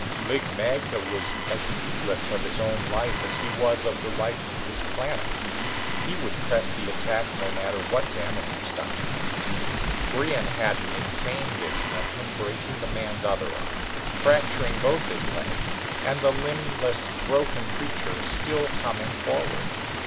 Lig magte was as heedless of his own life as he was of the life of his planet. He would press the attack no matter what damage was done to him. Brion had an insane vision of him breaking the man's other arm, fracturing both his legs, and the limbless broken creature still coming forward.